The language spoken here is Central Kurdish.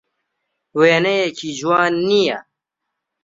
وێنەیەکی جوان نییە.